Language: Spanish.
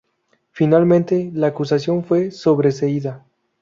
Finalmente la acusación fue sobreseída.